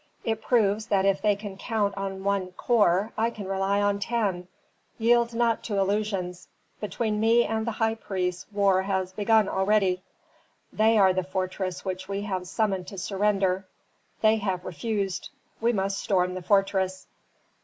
It proves that if they can count on one corps I can rely on ten. Yield not to illusions; between me and the high priests war has begun already. They are the fortress which we have summoned to surrender. They have refused; we must storm the fortress."